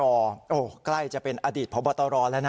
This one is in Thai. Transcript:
โอ้โหใกล้จะเป็นอดีตพบตรแล้วนะ